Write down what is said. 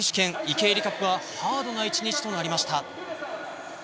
池江璃花子がハードな１日となりました。